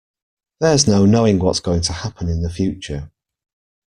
There's no knowing what's going to happen in the future.